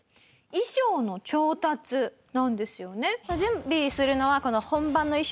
衣装の調達なんですよね。